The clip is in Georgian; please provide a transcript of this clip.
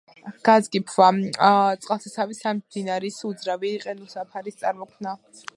გაძგიფვა-წყალსაცავის ან მდინარის უძრავი ყინულსაფრის წარმოქმნა